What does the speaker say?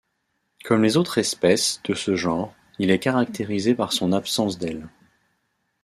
Comme les autres espèces de ce genre, il est caractérisé par son absence d'ailes.